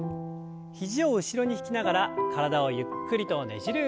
肘を後ろに引きながら体をゆっくりとねじる運動です。